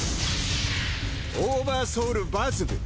オーバーソウルバズヴ。